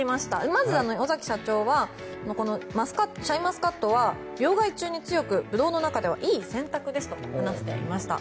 まず、尾崎社長はシャインマスカットは病害虫に強くブドウの中ではいい選択でしたと話していました。